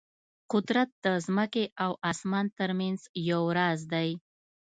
قدرت د ځمکې او اسمان ترمنځ یو راز دی.